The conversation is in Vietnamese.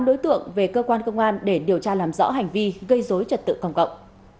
công an tỉnh hương yên đã triệu tập tám đối tượng về cơ quan công an để điều tra làm rõ hành vi gây dối trật tự công cộng